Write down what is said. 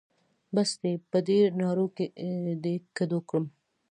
بس دی؛ په ډېرو نارو دې کدو کړم.